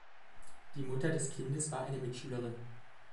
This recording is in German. Die Mutter des Kindes war eine Mitschülerin.